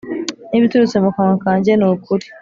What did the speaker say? n’ibiturutse mu kanwa kanjye ni ukuri,